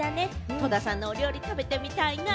戸田さんのお料理、食べてみたいな。